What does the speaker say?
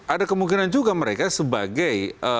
ada kemungkinan juga mereka sebagai